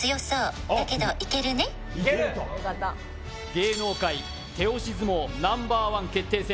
芸能界手押し相撲Ｎｏ．１決定戦